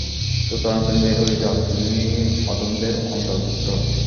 সুতরাং তুমি বের হয়ে যাও, তুমি অধমদের অন্তর্ভুক্ত।